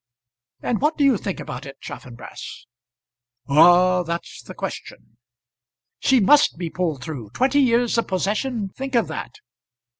"And what do you think about it, Chaffanbrass?" "Ah! that's the question." "She must be pulled through. Twenty years of possession! Think of that."